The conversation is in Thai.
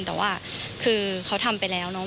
แต่ว่าคือเขาทำไปแล้วเนอะ